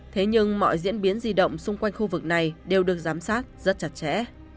thế nhưng mọi diễn biến di động xung quanh khu vực này đều được giám sát rất chặt chẽ